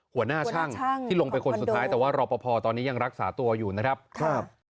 หัวหน้าช่างที่ลงไปคนสุดท้ายแต่ว่ารอปภตอนนี้ยังรักษาตัวอยู่นะครับ